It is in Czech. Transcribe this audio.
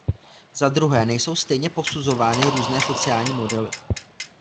Zadruhé nejsou stejně posuzovány různé sociální modely.